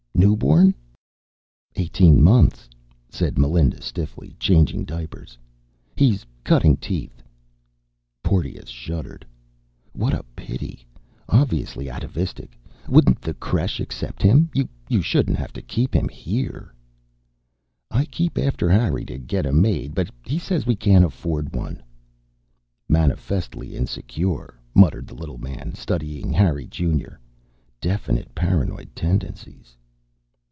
"Newborn?" "Eighteen months," said Melinda stiffly, changing diapers. "He's cutting teeth." Porteous shuddered. "What a pity. Obviously atavistic. Wouldn't the creche accept him? You shouldn't have to keep him here." "I keep after Harry to get a maid, but he says we can't afford one." "Manifestly insecure," muttered the little man, studying Harry Junior. "Definite paranoid tendencies."